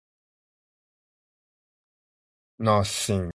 No sin.